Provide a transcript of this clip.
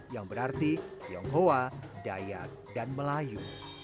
yang berarti tionghoa dayak dan melayu